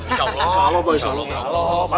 insya allah pak insya allah